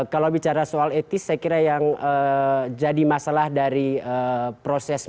kalau bicara soal etis saya kira yang jadi masalah dari proses